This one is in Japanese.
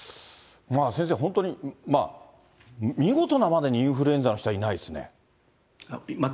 まあ先生、本当に、見事なまでにインフルエンザの人がいないですね。